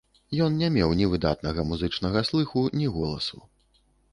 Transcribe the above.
Ён не меў ні выдатнага музычнага слыху, ні голасу.